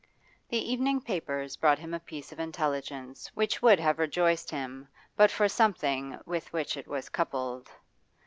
The evening papers brought him a piece of intelligence which would have rejoiced him but for something with which it was coupled.